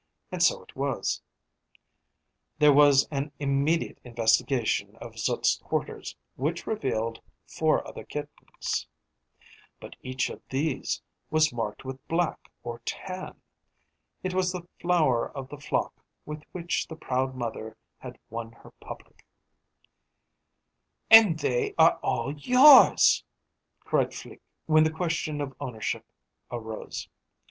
And so it was. There was an immediate investigation of Zut's quarters, which revealed four other kittens, but each of these was marked with black or tan. It was the flower of the flock with which the proud mother had won her public. "And they are all yours!" cried Flique, when the question of ownership arose.